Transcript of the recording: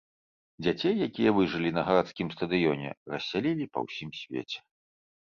Дзяцей, якія выжылі на гарадскім стадыёне, рассялілі па ўсім свеце.